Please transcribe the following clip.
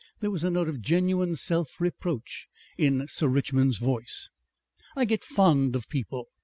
There was a note of genuine self reproach in Sir Richmond's voice. "I get fond of people.